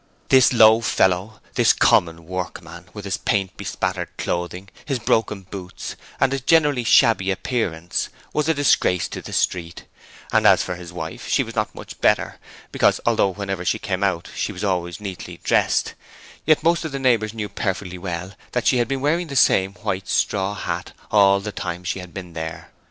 This low fellow, this common workman, with his paint bespattered clothing, his broken boots, and his generally shabby appearance, was a disgrace to the street; and as for his wife she was not much better, because although whenever she came out she was always neatly dressed, yet most of the neighbours knew perfectly well that she had been wearing the same white straw hat all the time she had been there.